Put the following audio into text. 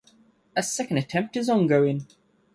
A second attempt is ongoing.